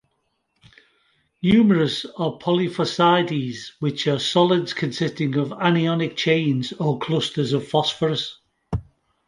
Numerous are polyphosphides, which are solids consisting of anionic chains or clusters of phosphorus.